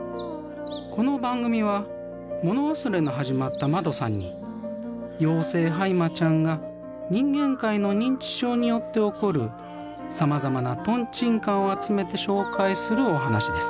この番組はもの忘れの始まったまどさんに妖精ハイマちゃんが人間界の認知症によって起こるさまざまなトンチンカンを集めて紹介するお話です。